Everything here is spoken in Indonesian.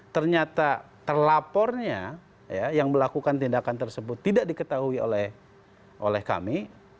ternyata terlapornya yang melakukan tindakan tersebut tidak diketahui oleh kami